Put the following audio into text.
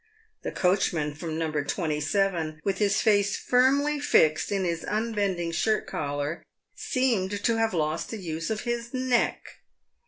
The coachman from No. 27, with his face firmly fixed in his unbending shirt collar, seemed to have lost the use of his neck.